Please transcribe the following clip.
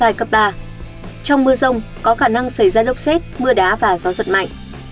trong mưa rông có khả năng xảy ra lốc xét mưa đá và gió giật mạnh